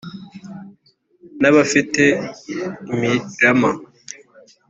N’abafite imirama*,